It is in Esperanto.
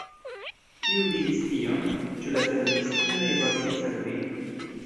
Kiu diris tion? Ĉu la servistinoj babilis al vi?